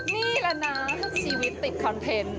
นี่แหละนะชีวิตติดคอนเทนต์